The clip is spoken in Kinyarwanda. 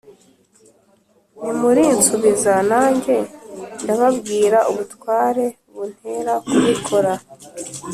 nimurinsubiza nanjye ndababwira ubutware buntera kubikora